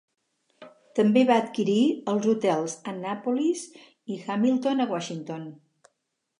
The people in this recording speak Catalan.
També va adquirir els hotels Annapolis i Hamilton a Washington.